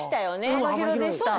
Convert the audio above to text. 幅広でした。